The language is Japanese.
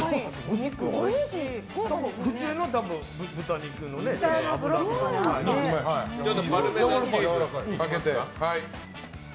普通の豚肉の脂身というか。